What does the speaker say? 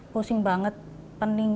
pusing banget pening